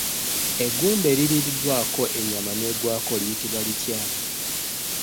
Eggumba eririiriddwako enyama n'eggwako liyitibwa litya?